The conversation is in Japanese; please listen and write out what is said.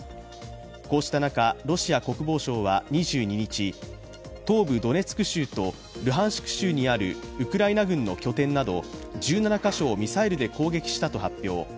こうした中、ロシア国防省は２２日、東部ドネツク州とルハンシク州にあるウクライナ軍の拠点など１７カ所をミサイルで攻撃したと発表。